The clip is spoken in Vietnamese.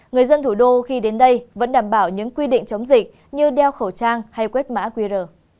người dân thủ đô khi đến đây vẫn đảm bảo những quy định chống dịch như đeo khẩu trang hay quét mã qr